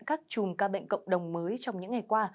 các chùm ca bệnh cộng đồng mới trong những ngày qua